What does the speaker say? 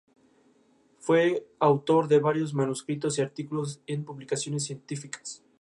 Su experiencia durante la guerra inspiró las obras por las que sería reconocido.